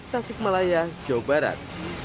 tasik malaya jawa barat